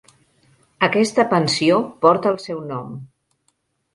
Aquesta pensió porta el seu nom.